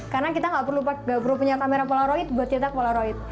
karena kita nggak perlu punya kamera polaroid buat cetak polaroid